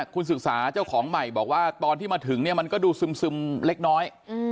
คุณศึกษาเจ้าของใหม่บอกว่าตอนที่มาถึงเนี่ยมันก็ดูซึมเล็กน้อย